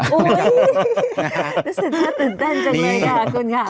รู้สึกน่าตื่นเต้นจังเลยค่ะคุณค่ะ